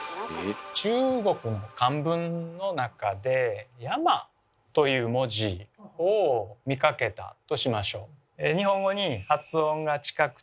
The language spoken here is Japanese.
中国の漢文の中で「山」という文字を見かけたとしましょう。